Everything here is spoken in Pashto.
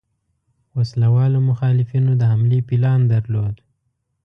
وسله والو مخالفینو د حملې پلان درلود.